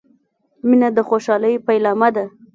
• مینه د خوشحالۍ پیلامه ده.